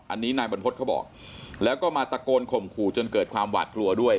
อันนี้นายบรรพฤษเขาบอกแล้วก็มาตะโกนข่มขู่จนเกิดความหวาดกลัวด้วย